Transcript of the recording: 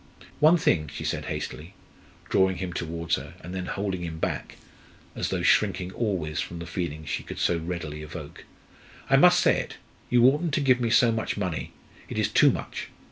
"One thing," she said hastily, drawing him towards her, and then holding him back, as though shrinking always from the feeling she could so readily evoke. "I must say it; you oughtn't to give me so much money, it is too much.